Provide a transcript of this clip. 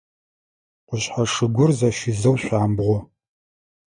Къушъхьэ шыгур зэщизэу шъуамбгъо.